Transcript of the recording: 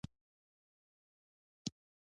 نرم او سخت سرکونه د سرکونو ډولونه دي